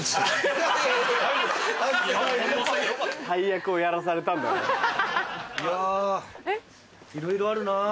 大役をやらされたんだな。